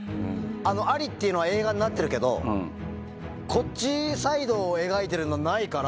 アリっていうのは映画になってるけど、こっちサイドを描いてるのないから。